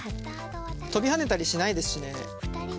跳びはねたりしないですしね。